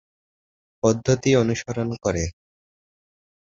পদ্ধতি অনুসরণ করে।